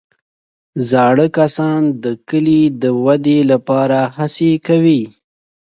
زاړه کسان د کلي د ودې لپاره هڅې کوي